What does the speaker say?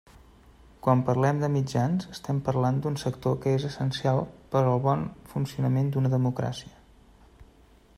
Quan parlem de mitjans, estem parlant d'un sector que és essencial per al bon funcionament d'una democràcia.